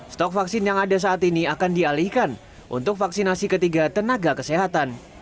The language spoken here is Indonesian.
stok vaksin yang ada saat ini akan dialihkan untuk vaksinasi ketiga tenaga kesehatan